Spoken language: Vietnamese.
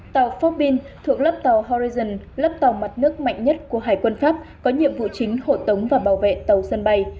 tàu forbin thuộc lớp tàu horezon lớp tàu mặt nước mạnh nhất của hải quân pháp có nhiệm vụ chính hộ tống và bảo vệ tàu sân bay